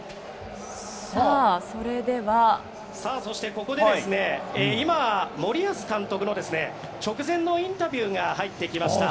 そしてここで今、森保監督の直前のインタビューが入ってきました。